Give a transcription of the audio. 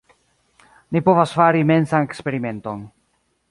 Ni povas fari mensan eksperimenton.